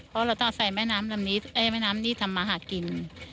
เพราะเราต้องใส่แม่น้ำนี้ทำมาหากิน